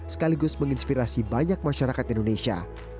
sekaligus menginspirasi banyak masyarakat indonesia